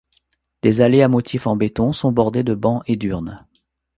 Des allées à motifs en béton sont bordées de bancs et d'urnes.